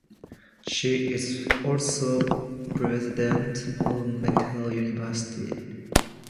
She is also President of Mekelle University.